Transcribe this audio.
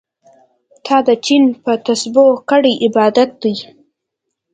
تا د چين په تسبو کړی عبادت دی